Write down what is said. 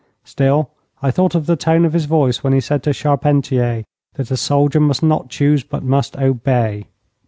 Still, I thought of the tone of his voice when he said to Charpentier that a soldier must not choose, but must obey.